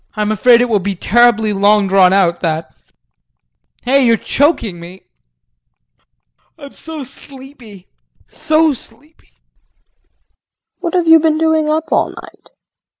I'm afraid it will be terribly long drawn out that. Hey, you're choking me. I'm so sleepy, so sleepy. KRISTIN. What have you been doing up all night?